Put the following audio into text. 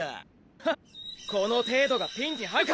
フンッこの程度がピンチに入るか！